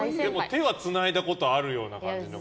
手はつないだことあるような感じ。